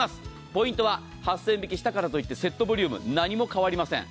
ポイントは８０００円引きしたからといってセットボリューム、何も変わりません。